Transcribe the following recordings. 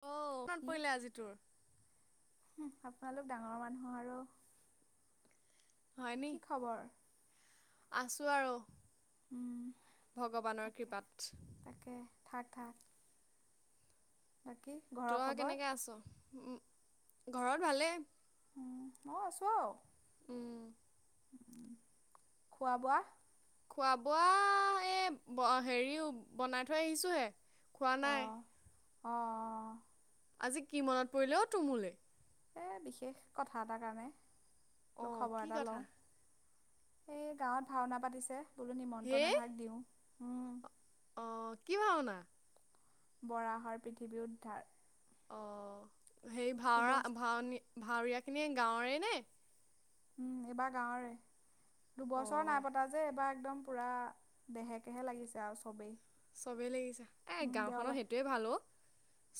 অ', কিমান কি পৰিলে আজি তোৰ? আপোনালোক ডাঙৰ মানুহ আৰু হয় নি? কি খবৰ? আছোঁ আৰু উম, ভগৱানৰ কৃপাত থাৰ, থা তই খবৰ কেনেকৈ আছ? উ ঘৰত ভালেই মই আছোঁ আৰু উম। খোৱা বোৱা খোৱা বোৱা এ ব হেৰি বনাই থৈ আহিছোঁ হে। খোৱা নাই। অ'। আজি কি মনত পৰিলে অ', তোৰ মোলে? এ বিশেষ কথা এটা কাৰণে ওক অ', খবৰ কি এটা কথা? লওঁ। এই গাঁৱত ভাওনা পাতিছে। বোলো নিমন্ত্ৰণ হেই এভাগ দিওঁ। উম। অ', কি ভাওঁনা? বৰাহৰ পৃথিৱী উদ্ধাৰ। অ'। সেই ভাওৰা দুবছৰ ভাওনী ভাৱৰীয়া খিনি গাঁৱৰে নে? উম, এইবাৰ গাঁৱৰে, দুবছৰ অ'। নাই পতা যে এইবাৰ একদম পুৰা দেহে কেহে লাগিছে আৰু চবেই। চবেই লাগিছে, এ উম, গাঁওখনত দেওবাৰ সেইটোৱে ভাল অ'।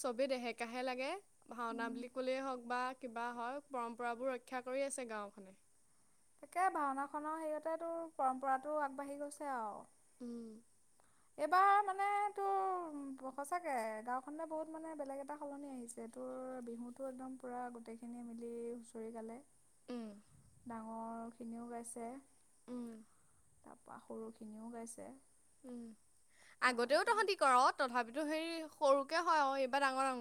চবে দেহে কাহে লাগে। ভাওনা উম বুলি ক'লেই হওঁক বা। কিবা হয় পৰম্পৰাবোৰ ৰক্ষা কৰি আছে গাঁওখনে। তাকে ভাওনা খনৰ হেৰিয়তে তোৰ পৰম্পৰাতটো আগবাঢ়ি গৈছে আৰু। উম। এইবাৰ মানে তোৰ সঁচাকে গাঁওখননে বহুত মানে বেলেগ এটা সলনি আহিছে তোৰ বিহুতো একদম পুৰা গোটেইখিনি মিলি হুঁচৰি গালে উম ডাঙৰ খিনিও গাইছে। উম তাৰ পৰা সৰু খিনিও গাইছে, উম বা আগতেও একদম তহঁতি কৰ তথাপি। এইটো হেৰি সৰুকে হয় অ এইবাৰ ডাঙৰ ডাঙ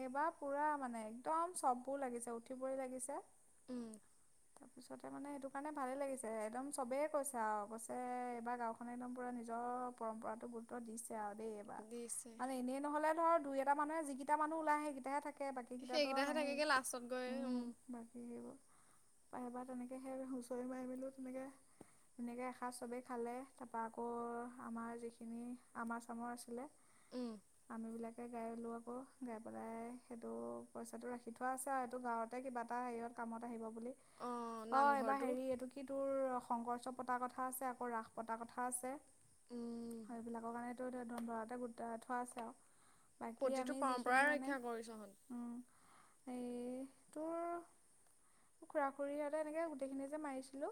এইবাৰ পুৰা মানে একদম চব লাগিছে উঠিবই লাগিছে। উম। তাৰপিছতে মানে সেইটো কাৰণে ভালে লাগিছে, একদম চবেই কৈছে আৰু কৈছে এইবাৰ গাওখনে একদম পুৰা নিজৰ পৰম্পৰাতো গুৰুত্ব দিছে। আৰু দেই এইবাৰ দিছে মানে এনেই নহ'লে ধৰ দুই এটা মানে যি মানুহ ওলাই আহে সেইকেইটা থাক তাকে বাকীকেইটাতো আৰু সেইকেইটাহে নাহেই থাকেগে লাষ্টত গৈ উ উম বাকী সেইবোৰ প সব তেনেকে সেই হুঁচৰি মাৰি মেলো তেনেকে তেনেকে এসাজ চবেই খালে, তাৰপা আকৌ আমাৰ যিখিনি আমাৰ চামৰ আছিলে উম আম বিলাকে গালো আকৌ। গাই পেলাই সেইটো পইচাটো ৰাখি থোৱা আছে আৰু সেইটো গাঁৱতে কিবা এটা হেৰিত কামত আহিব। অঁ অ' এইবাৰ নামঘৰটো হেৰি এইটো কি তোৰ শংকৰ উৎসৱ পতা কথা আছে আকৌ ৰাস পতা কথা আছে। উম হয় এইবিলাকৰ কাৰণে। [unintelligible] গোটাই থোৱা আছে আও বাকী আমি যি পৰাই ৰক্ষা কৰিছ হত। এই তোৰ খুৰা খুৰী হতে এনেকে গোটেইখিনি যে মাৰিছিলো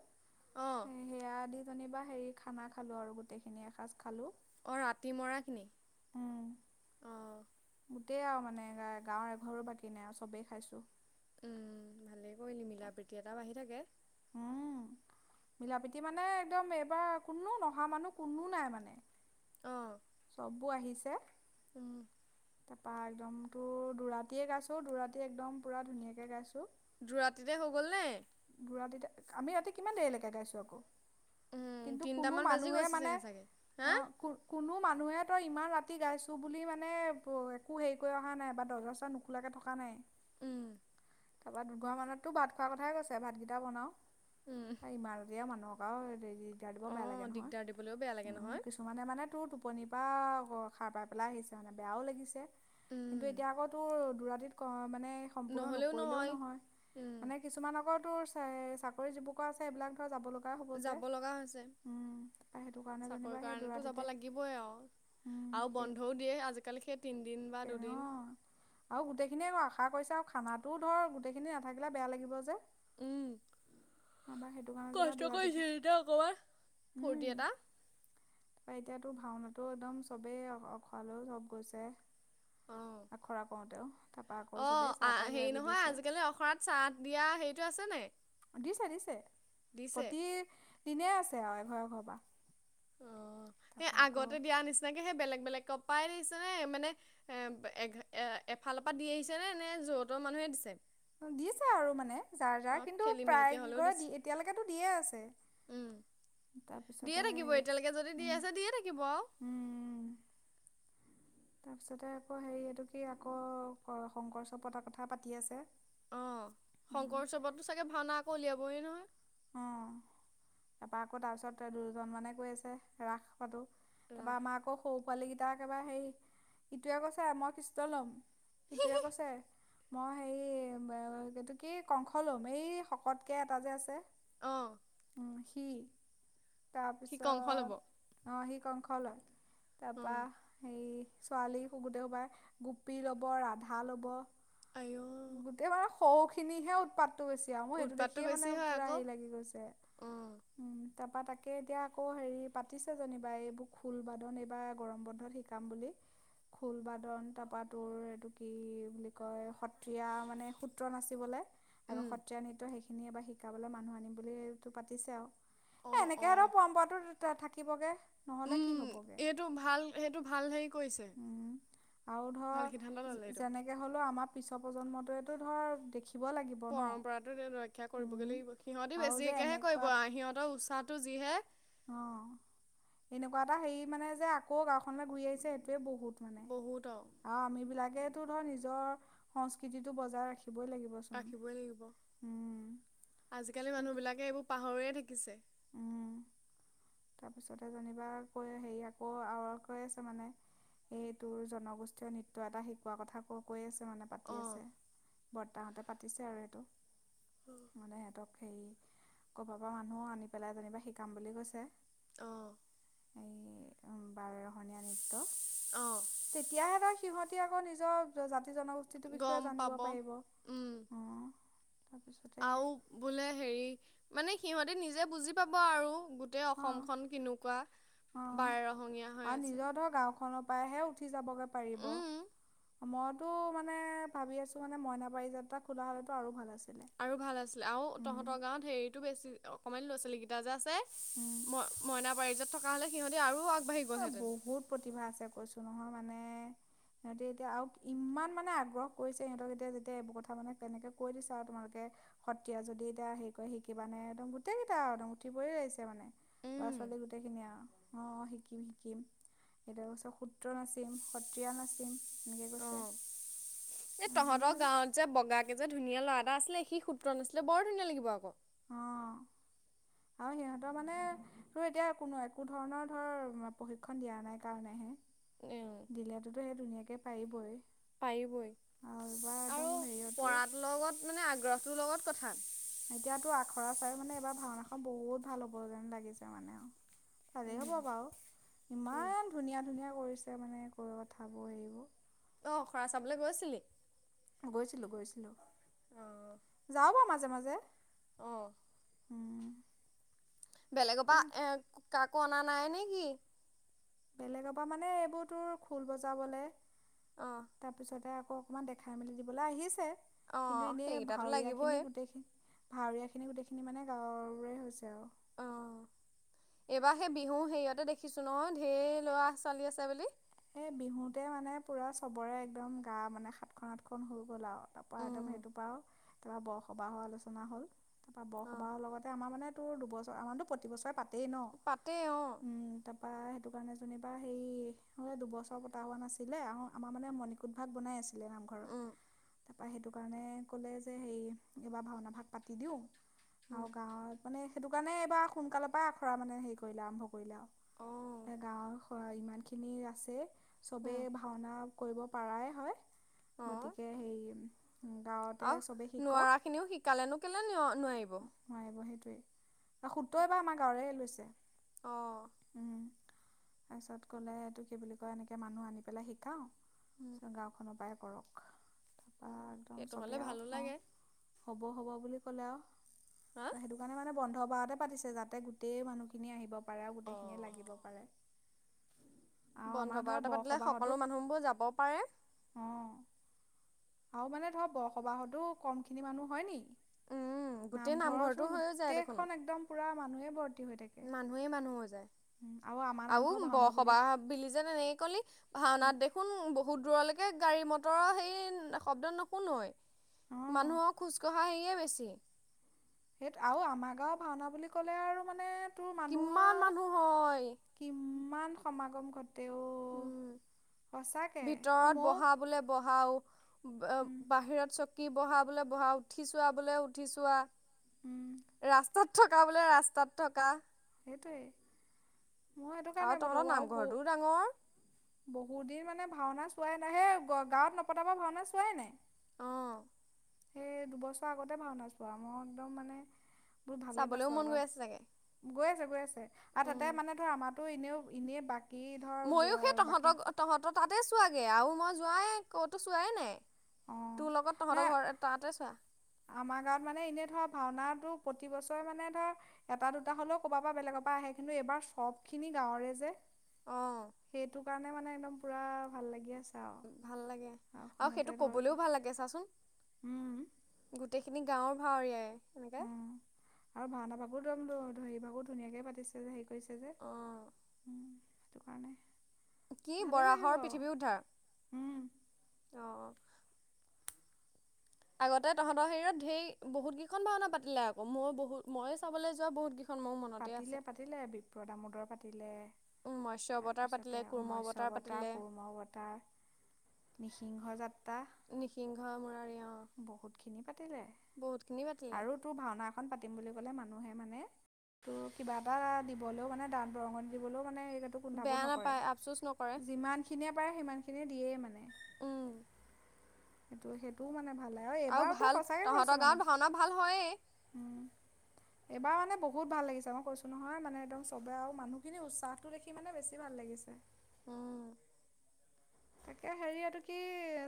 অঁ সেয়া দি জনিবা হেৰি খানা খালো আৰু গোটেই খিনি এসাজ অ' ৰাতি মৰাখিনি উম অ। গোটেই আও মানে গা গাঁৱৰ এঘৰো বাকী নাই আৰু চবেই খাইছো। উম ভালে কৰিলি মিলা প্ৰতি এটা বাঢ়ি থাকে। উম মিলাপীতি মানে একদম এইবাৰ কোনো নহা মানুহ কোনো নাই মানে, অঁ চববোৰ আহিছে। উম। তাপা একদমতো দুৰাতিয়ে গাইছোঁ, দুৰাতি একদম পূৰা ধুনীয়াকে গাইছোঁ। দুৰাতিতে হৈ গ'ল নে। দুৰাতিতে, আমি ৰাতি কিমান দেৰিলৈকে গাইছোঁ আকৌ। উম, কিন্তু কোনো তিনটামান বাজি মানুহে গৈছে মানে চাগে চাগে হা আহ কোনো মান মানুহেতো ইমান ৰাতি গাইছোঁ বুলি মানে একো হেৰি কৰি অহা নাই বা দৰজা চৰজা নোখোলাকৈ থকা নাই। উম, তাৰপৰা দুঘৰ মানতো ভাত খোৱা কথাই কৈছে ভাতকেইটা এয়া বনাওঁ। উম, তাই মা এয়া মানুহক দিগদাৰ দিব বেয়া অ', লাগে নহয় দিগদাৰ দিবলৈও বেয়া লাগে নহয় কিছুমানে মানে তোৰ টো টোপনিৰ পৰা সাৰ পাই পেলাই আহিছে, মানে বেয়াও লাগিছে। উম, কিন্তু এতিয়া আকৌ তোৰ দৌৰাটিত ক মানে সম্পূৰ্ণ নকৰিলেও নহয় উম, মানে কিছুমান আগত। চাকৰি যুৱক আছে এইবিলাক ধৰ যাব লগ যাব লগা হৈছে সেইটো কাৰণে যেনিবা চাকৰি সেই কাৰণো যাব দুৰাতিতে লাগিবই আৰু আৰু বন্ধও দিয়ে আজিকালি সেই তিন দিন বা দুদিন সেইিনিয়ে গোটেইখিনিয়ে আৰু আশা কৰিছে আৰু খানাটোও ধৰ গোটেইখিনি নাথাকিলে বেয়া লাগিব যে, উম, আমাৰ সেইটো কাৰণে যেনিবা কষ্ট দুৰাতিতে কৰিছিলতিয়া অকবাৰ ফূৰ্তি এটা, তাৰপৰা এতিয়াতো ভাওনাাতটো একদম চবেইখোৱালৈও চব গৈছে। অ', আ খৰা কওঁতেও অ হেৰি নহয় আজিকালি অখৰাৰত চাহ দিয়া হেৰিতটো আছে ন, দিছে দিছে। প্ৰতি, দিনে আছে আৰু এঘৰে ঘৰ পৰা। অ সেই তাৰপৰা আকৌ আগতে দিয়া নিচিনাকে সেই বেলেগ বেলেগ। কপাই দিিছে নে মানে এ এ এ এফালৰপ পৰা দি আহিছে নে নে যোৰতৰ মানুহে দিছে। দিছা আৰু মানে, যাৰ যাৰ অ', কিন্তু খেলি মেলিকে প্ৰায় হ'লেও কিঘ দিছে, দি এতিয়ালৈকেেতো দিয়ে আছে উম, দিয়ে তাৰপিছতে থাকিব হে এতিয়ালৈকে যদি দি উম আছে দিয়ে থাকিব আৰু উম! তাৰপিছতে আকৌ হেৰি এইটো কি আকৌ শংকৰচৰ পতাৰ কথা পাতি আছে। অ শংকৰ উৎসৱতো চাগে ভাওনা আকৌ উলিয়াব, বয় নহয়। অ তাৰপা আকৌ তাৰ পিছত দুজন মানে কৈ আছে ৰাস। তাৰপৰা ৰাস আমাক আকৌ শৌ ভ পোৱালীকেইটা একেবাৰে হেৰি ইটোৱে কৈছে মই কৃষ্ট লোম ইিটোৱে কৈছে মই হেৰি এইটো কি কংস লোম এই শকতকৈ এটা যে আছে। অ', সখি সি কংস ল'ব তাৰপিছত অ সি কংখ লয় তাৰপা অ', এইেই ছোৱালী শুগোতে সোবাই গোপী লব ৰাধা লব। আইঔ গোটেই বাৰু সৰুখিনিহে উৎপাত, বেছি আৰু মই সেইটো উৎপাতটো দেখিয়ে বেছি হয় মেৰা আকৌ হেৰি লাগে। কি কৈছে অ', উম! তাৰপা তাকে এতিয়া আকৌ হেৰি পাতিছে যেনিবা এইবোৰ খোলবাদন এইবাৰ গৰম বন্ধত শিকাম বুলি খোলবাদন তাৰপা তোৰ এইটো কি বুলি কয় সত্ৰীয়া মানে সূত্ৰ নাচিবলৈ আকৌ উম, সত্ৰীয়া নৃত্য সেইখিনি এবাৰ শিকাবলৈ মানুহ আনিব। বুলিো পাতিছে আৰু এ অ', এনেকৈ আৰু অ', পৰম্পৰাটো থাকিবগৈ। নহ'লে কি উম, হ'বগে এইটো ভাল সেইটো ভাল হেৰি কৰিছে উম আৰু ধৰ ভাল সিদ্ধান্ত ল'লে এইটো যেনেকে হ'লেও আমাৰ পিছৰ প্ৰজন্মটটো ধৰ দেখি। পৰম্পৰাতো ৰক্ষা কৰিবগৈ উম, লাগিব সিহঁতে। আৰু যে বেছিকেহে কৰিব এনেকুৱাত আৰু সিহঁতৰ উৎসাহটো [unintelligible] অ', নেকুৱা এটা হেৰি মানে যে আকৌ গাঁওখনলৈ ঘূৰি আহিছে সেইটোয়ে বহুত। আৰু বহুত আৰু আম বিলাক। এইটো ধৰ নিজৰ সংস্কৃতিতটো বজাই ৰাখি। ৰাখিবই লাগিব। উম, আজিকালি মানুহ সেইটো বিলাকে এইবোৰ পাহৰিয় থাকিব। থাকিছে। উম, তাৰপিছতে যেনিবা কৈ হেৰি আকৌ আৰু কৈ আছে মানে এই তোৰ জনগোষ্ঠীয় নৃত্য এটা শিকোৱা কথা ক কৈ আছে। মানে পাতি অ আছে। বৰতাহঁতে পাতিছে আৰু সেইটো। মানে সিহঁতক হেৰি, কৰবাৰ পৰা মানুহও আনি পেলাই যেনিবা শিকাম বুলি কৈছে। অ'। এই বাৰেৰহণীয়া নৃত্য। অ তেতিয়া সিহতৰ। সিহঁতি আকৌ নিজৰ জনগোষ্ঠীটোৰ বিষয়ে গম জানিব পাব পাৰিব। উম অ' তাৰপিছতে আৰু বোলে হেৰি মানে সিহঁতে নিজে বুজি পাব আৰু। গোটেই অ অসমখন কেনেকুৱা অ বাৰে ৰহঙীয়া হৈ আছে। পায়হে উঠি যাবগে পাৰিব, উম মইতো মানে ভাবি আছো মানে মইনাপাৰিজাত খোলা হলেতো আৰু ভাল আছিল। আৰু ভাল আছিলে, আৰু তহঁতৰ গাঁৱত হেৰিতটো বেছি। সমণীয়া ল'ৰাছোৱালীকেইটা যে আছে। উম ম-মইনা পাৰিজাতত কা, হ'লে সিহঁতি আৰু আগ অ', বহুত প্ৰতিভা আছে কৈছো নহয় মান মানে সিহঁতি এতিয়া আৰু ইমান মানে আগ্ৰহ কৰিছে সিহঁতক এতিয়া যেতিয়া এইবোৰ কথা মানে কেনেকে কৈ দিছে আৰু তোমালোকে সত্ৰীয়া যদি এতিয়া হেৰি কৰে শিকিবানে? একদম গোটেই কেইটা আৰু একদম উঠি পৰি আহিছে মানে ল'ৰা উম ছোৱালী গোটেই খিনিয়ে আৰু অ' শিকিম, শিকিম এটো পাছত সূত্ৰ নাচিম, সত্ৰীয়া নাচিম। এনেকৈ কৈছে অ', এই সেইখিনি তহঁতৰ মানে গাঁৱত যে, বগাকে যে ধুনীয়া ল'ৰা এটা আছিলে সি সূত্ৰ নাছিলে বৰ ধুনীয়া লাগিব আকৌ। অ', আৰু সিহঁতৰ মানে তোৰ এতিয়া কোনো একো ধৰণৰ ধৰ প্ৰশিক্ষণ দিয়া নাই কাৰণেহে এ দিলাতোতো সেই ধুনীয়াকে পাৰিবই। পাৰিবই, আৰু এইবাৰ আৰু একদম হেৰিয়তো পঢ়াৰ লগত মানে আগ্ৰহটোৰ লগত কথাত। এতিয়াতো আখৰা চাই মানে এইবাৰ ভাওনাখন বহুত ভাল হ'ব যেন লাগিছে মানে আৰু। ভালেই হ'ব উম, বাৰু, উম। ইমান ধুনীয়া ধুনীয়া কৰিছে মানে কৰিব কথাবোৰ হেৰিবোৰ। অ', খৰা চাবলে গৈছিলি? গৈ যাওঁ অ'। বাৰু মাজে মাজে অ', বেলেগৰ তাকে পৰা এ কাক কনা নাই নেকি। বেলেগৰ পৰা মানে এইবোৰ তোৰ ঢোল বজাবলে। অ', তাৰপিছতে আকৌ অকণমান দেখাই মেলি দিবলৈ আহিছে। কিন্তু অ', এনে সেইকেইটাতো ভাউৰীয়া লাগিবই। খিনি গোতেইখিনি ভাউৰীয়াখিনি গোটেইখিনি মানে গাঁৱৰে হৈছে আৰু। অ', এইবাৰ সেই বিহু হেৰিয়তে দেখিছোঁ নহয়, ঢেৰ ল'ৰা-ছোৱালী আছে বুলি। এই বিহুতে মানে পুৰা চবৰে একদম গা মানে সাতখন আঠখন হৈ গ'ল আৰু তাৰ পৰা একদম উম, সেইটোৰ পৰা আৰু তাৰপৰা বৰসবাহৰ আলোচনা হ'ল তাৰ পৰা অ', বৰসবাহৰ লগতে আমাৰ মানে এইটো দুবছৰ, আমাৰতো প্ৰতিবছৰে পা পাতে ন, পাতে অ', উম' তা বা' সেইটো কাৰণে যেনিবা সেই হ'লে দুবছৰ পতা হোৱা নাছিলে। আৰু আমাৰ মানে মণিকুট ভাগ বনাই আছিলে নামঘৰৰ, উম, তাৰপৰা সেইটো কাৰণে ক'লে যে হেৰি এইবাৰ ভাওনা ভাগ পাতি দিওঁ। উম, আৰু গাঁৱৰ মানে সেইটো কাৰণে এইবাৰ সোনকালৰ পৰাই সেইটো কাৰণে এইবাৰ সোনকালে পা আখৰা মানে হেৰি কৰিলে, আৰম্ভ কৰিলে আৰু, অ', এই গাঁৱৰ সৰহ ইমানখিনি [unintelligible] খিনি আছে। চবে উম, ভাওনা কৰিব পাৰাই হয়। অ'। গতিকে সেই আৰু নোৱাৰাখিনিও শিকালেনো কেলে নোৱাৰিব। [unintelligible] সুত বা আমাৰ গাঁৱৰে লৈছে। অঁ উম। পাছত। ক'লে এইটো কি বুলি কয় এনেকে মানুহ আনি পেলাই শিকাওঁ। গাওঁখনৰ পাই কৰক [unintelligible] একদম সেইটো হ'লে চবেই আও ভালো অ' লাগে হ'ব, হ'ব বুলি ক'লে আৰু হা ত' সেইটো কাৰণে মানে বন্ধ বাৰতে পাতিছে যাতে গোটেই মানুহখিনিয়ে আহিব পাৰে আৰু গোটেইখিনিয়ে অ'। লাগিব পাৰে। আৰু বন্ধ আমাৰ ধৰ বাৰতে পাতিলে বৰসবাহতো সকলো মানুহবোৰ যাব পাৰে। অ আৰু মানে ধৰক বৰসবাহতো কম খিনি মানুহ হয় নি। উম গোটেই নামঘৰ নামঘৰটো চোন হৈয়ে যায় দেখোন গোটেইখন একদম পুৰা মানুহে ভৰ্তি টি হৈ থাকে মানুহেই মানুহ আৰু আমাৰ নামঘৰ ভাওঁনা সবাহ বিলি যে এনেকে ক'লি ভাওঁনাত দেখোন বহুত দূৰলৈকে গাড়ী মটৰৰ সেই শব্দ নুশুনোৱে। অ মানুহক খোজ কঢ়া সেই কে বেছি। সেইটো আৰু আমাৰ গাঁওৰ ভাওঁনা বুলি ক'লে আৰু মানে তো কিমান মানুহৰ মানুহ হয় কিম কিমান সমাগম ঘট- উম, আৰু ভিতৰত ময়ো বহা বোলে বহাও অব উম বাহিৰত চ কী বহা বোলে বহা উঠি ছোৱা, বোলে উঠি ছোৱা। উম ৰাচ স্তাত থকা বোলে, ৰাস্তাত থকা। সেইটোৱে। মই সেইটো আৰু কাৰণে বোলো তহঁতৰ আৰু নামঘৰটোও ডাঙৰ বহু বহুতদিন মানে ভাওঁনা চোৱাই নাই সেই গাঁৱত নপতাৰ পৰা ভাওঁনা চোৱাই নাই। অ। সেই দুবছৰ আগতে ভাওনা চোৱা মই একদম মানে। বহুত ভালেই চাবলৈও পাইছোঁ আৰু মন গৈ এবাৰ আছে চাগে। গৈ আছে গৈ আছে আৰু উম তাতে মানে তো আমাতো এনেও এনেই। [unintelligible] ময়ো সেই বাকী তহঁতক তহঁতৰ তাতে চোৱাগে আৰু মই। নাই ক'তো চোৱাই নাই অঁ তোৰ লগত নহয় তহঁতৰ ঘৰত তাতে চোৱা আমাৰ গাঁৱত মানে এনে ধৰ ভাওনাটো প্ৰতি বছৰে মানে ধৰ এটা দুটা হলেও কবাৰ পৰা বেলেগৰ পৰা আহে কিন্তু এইবাৰ সব খিনি গাঁওৰে যে অ সেইটো। সেই কাৰণে মানে একদম পুৰা ভাল লাগি আছে। আৰু ভাল লাগে আৰু গাঁওখনতে সেইটো ধৰ কবলৈও ভাল লাগে চাচোন। উম গোটেইখিনি গাঁৱৰ ভাৱৰীয়াই। এনেকে উম আৰু মা না বাবুত একদম হেৰি ভাকো ধুনীয়াকে পাতিছে যে হেৰি কৰিছে যে অ উম সেইটো কাৰণে। কি ভালেই লাগিব বৰাহৰ পৃথিৱী উম উদ্ধাৰ অ'। আগতে তহঁতৰ হেৰত ধেৰ বহুত কেইখন ভাওনা পাতিলে আকৌ মই বহুত মই চাবলৈ যোৱা বহুত কেই। পাতিলে পাতিলে বিপ্ৰদ আমোদৰ পাতি। তিলে। মৎস্য অৱতাৰ পাতিলে তাৰপিছতে আৰু কুৰ্ম মৎস্য অৱতাৰ, পাতিলে কুৰ্ম অৱতাৰ নি। সিংহ জাত। নিসিংহ মৰাৰ। বহুত খিনি পাতিলে পাতিলে আৰু তোৰ ভাওনা এখন পাতিম বুলি ক। লে মানুহে মানে ত কিবা এটা দিবলেও মানে দান বৰঙণি দিবলৈও মানে এই। সেইটোৱেতো বেয়া কুন্ঠাবোধ নকৰে, নাপায় আফচোচ নকৰে যিমান খিনিয়ে পাৰে সিমান খিনিয়ে। দিয়েই মানে। উম সেইটো সেইটোও মানে। ভাল লাগে আৰু এইবাৰতো ভাল সঁচাকৈ কৈছোঁ তহঁতৰ মানে গাঁৱত ভাওনা ভাল হয়য়েই। উম, এইবাৰ মানে বহুত ভাল লাগিছে মই কৈছো নহয় মানে একদম চবে আৰু মানুহখিনি উৎসাহটো দেখি মানে বেছি ভাল লাগিছে। উম। তাকে হেৰি এইটো কি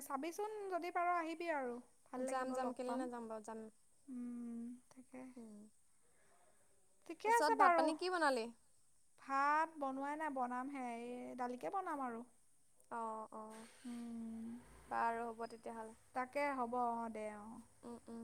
চাবিচোন যদি পাৰ আহিবি আৰু। ভাল লাগিব যাম, যাম লগ কেলে পাম। নাযাম বাৰু যাম। উম তাকে হম। ঠিকে তাৰ আছে পিছত ভাত বাৰু পানী কি বনালি? ভাত বনোৱাই নাই বনাম হে এ দালিকে বনাম আৰু। অ', অ' বাৰু হ'ব তেতিয়াহ'লে তাকে হ'ব। অ' দে অ'। উম, উম।